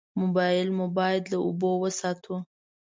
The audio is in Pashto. موبایل مو باید له اوبو وساتو.